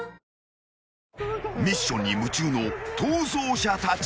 ［ミッションに夢中の逃走者たち］